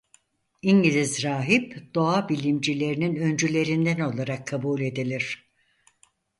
İngiliz rahip doğa bilimcilerinin öncülerinden olarak kabul edilir.